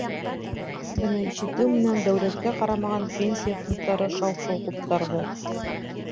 Быны ишетеү менән дәүләткә ҡарамаған пенсия фондтары шау-шыу ҡуптарҙы.